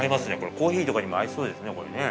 コーヒーとかにも合いそうですね、これね。